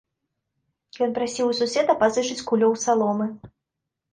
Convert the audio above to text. Ён прасіў у суседа пазычыць кулёў саломы.